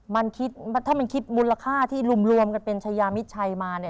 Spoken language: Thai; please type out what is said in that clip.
มันคิดถ้ามันคิดมูลค่าที่รวมกันเป็นชายามิดชัยมาเนี่ย